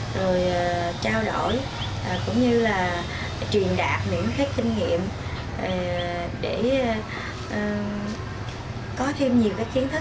rồi trao đổi cũng như là truyền đạt những cái kinh nghiệm để có thêm nhiều cái kiến thức